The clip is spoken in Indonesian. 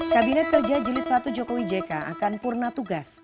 kabinet kerja jilid satu jokowi jk akan purna tugas